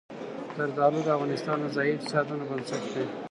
زردالو د افغانستان د ځایي اقتصادونو بنسټ دی.